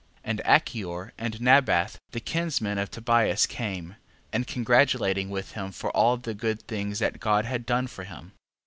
11:20. And Achior and Nabath the kinsmen of Tobias came, rejoicing for Tobias, and congratulating with him for all the good things that God had done for him.